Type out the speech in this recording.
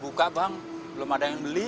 buka bang belum ada yang beli